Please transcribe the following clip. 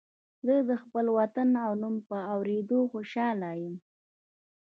زه د خپل وطن د نوم په اورېدو خوشاله یم